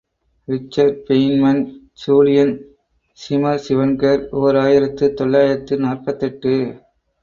Richer Feynman, Julian சிமர் சிவன்கர், ஓர் ஆயிரத்து தொள்ளாயிரத்து நாற்பத்தெட்டு.